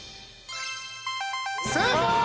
正解！